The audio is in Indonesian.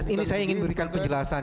ini saya ingin berikan penjelasan